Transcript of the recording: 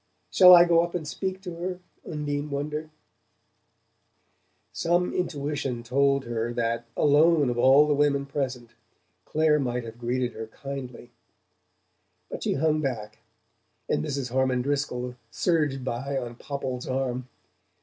"Shall I go up and speak to her?" Undine wondered. Some intuition told her that, alone of all the women present, Clare might have greeted her kindly; but she hung back, and Mrs. Harmon Driscoll surged by on Popple's arm.